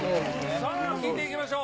さあ、聞いていきましょう。